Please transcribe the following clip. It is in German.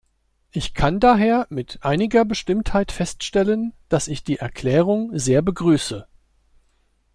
Ich kann daher mit einiger Bestimmtheit feststellen, dass ich die Erklärung sehr begrüße.